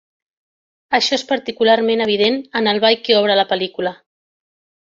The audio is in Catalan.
Això és particularment evident en el ball que obre la pel·lícula.